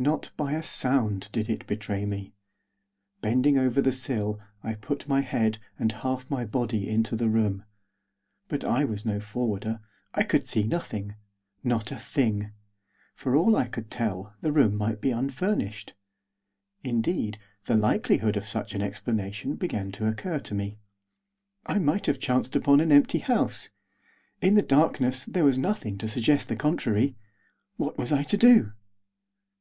Not by a sound did it betray me. Bending over the sill I put my head and half my body into the room. But I was no forwarder. I could see nothing. Not a thing. For all I could tell the room might be unfurnished. Indeed, the likelihood of such an explanation began to occur to me. I might have chanced upon an empty house. In the darkness there was nothing to suggest the contrary. What was I to do?